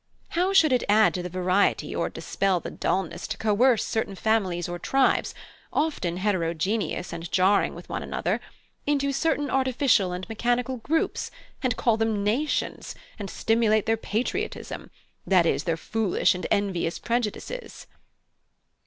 How should it add to the variety or dispel the dulness, to coerce certain families or tribes, often heterogeneous and jarring with one another, into certain artificial and mechanical groups, and call them nations, and stimulate their patriotism i.e., their foolish and envious prejudices?"